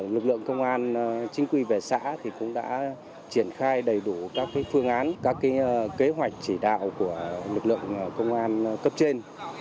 lực lượng công an chính quy về xã cũng đã triển khai đầy đủ các phương án các kế hoạch chỉ đạo của lực lượng công an cấp trên